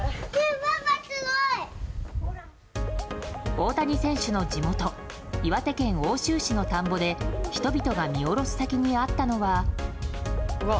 大谷選手の地元岩手県奥州市の田んぼで人々が見下ろす先にあったのは。